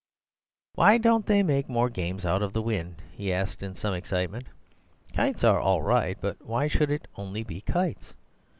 "Why don't they make more games out of wind?" he asked in some excitement. "Kites are all right, but why should it only be kites?